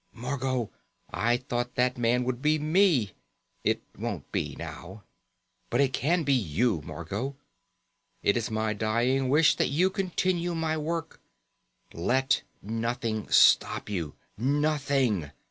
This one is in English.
Margot, I thought that man would be me. It won't be now._ _But it can be you, Margot. It is my dying wish that you continue my work. Let nothing stop you. Nothing.